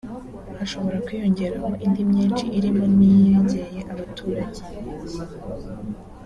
hashobora kwiyongeraho indi myinshi irimo n’iyegeye abaturage